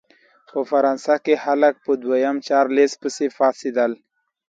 په فرانسه کې خلک په دویم چارلېز پسې پاڅېدل.